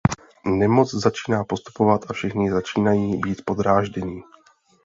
Nemoc začíná postupovat a všichni začínají být podráždění.